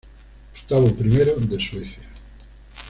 Gustavo I de Suecia